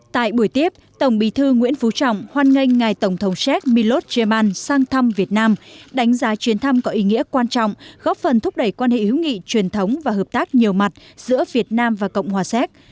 tại buổi tiếp tổng bí thư nguyễn phú trọng hoan nghênh ngài tổng thống séc milos jaman sang thăm việt nam đánh giá chuyến thăm có ý nghĩa quan trọng góp phần thúc đẩy quan hệ hữu nghị truyền thống và hợp tác nhiều mặt giữa việt nam và cộng hòa séc